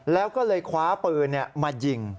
แล้วก็เลยคว้าปืนมายิง